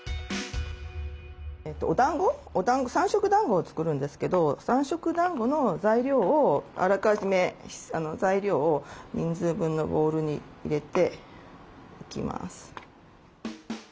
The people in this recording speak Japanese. おだんご３色だんごを作るんですけど３色だんごの材料をあらかじめ人数分のボウルに入れていきます。